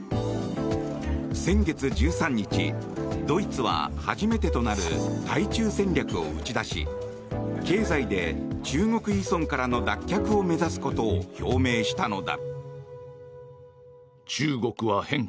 先月１３日、ドイツは初めてとなる対中戦略を打ち出し経済で中国依存からの脱却を目指すことを表明したのだ。